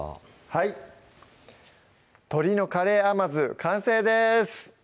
はい「鶏のカレー甘酢」完成です